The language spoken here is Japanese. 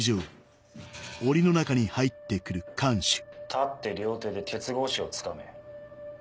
立って両手で鉄格子をつかめ。